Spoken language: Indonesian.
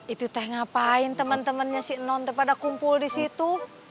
itu teh ngapain temen temennya si enonte pada kumpul di situ